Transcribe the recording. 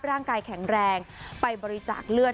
ร่างกายแข็งแรงไปบริจาคเลือด